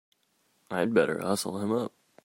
I'd better hustle him up!